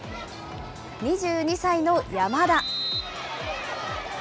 ２２歳の山田。